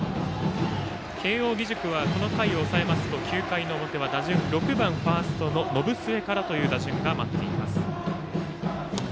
慶応義塾はこの回を抑えますと９回の表は打順６番ファーストの延末からとなります。